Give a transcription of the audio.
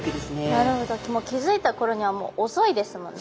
なるほど気付いた頃にはもう遅いですもんね。